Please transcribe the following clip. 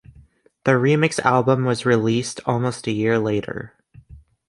The remix album was released almost a year later.